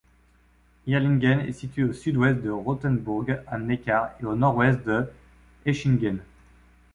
Hirrlingen est située au sud-ouest de Rottenburg am Neckar et au nord-ouest de Hechingen.